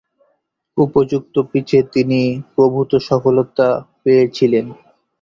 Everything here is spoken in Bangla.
উপযুক্ত পিচে তিনি প্রভূতঃ সফলতা পেয়েছিলেন।